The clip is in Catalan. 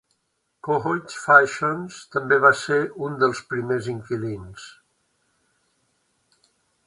Cohoes Fashions també va ser un dels primers inquilins.